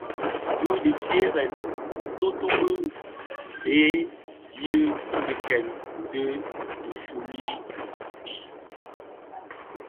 Bi difeërèn tuutubi di bhee yi dhikèè dhi diifuyi di.